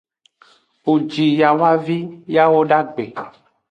Wo ji yawavi yawodagbe.